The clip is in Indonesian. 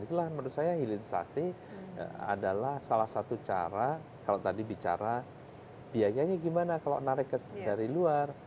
itulah menurut saya hilirisasi adalah salah satu cara kalau tadi bicara biayanya gimana kalau narik dari luar